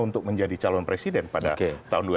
untuk menjadi calon presiden pada tahun dua ribu empat